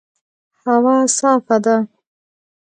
هوا صافه ده